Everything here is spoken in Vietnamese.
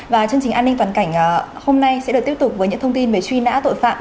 và chương trình an ninh toàn cảnh hôm nay sẽ được tiếp tục với những thông tin về truy nã tội phạm